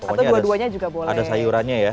pokoknya ada sayurannya ya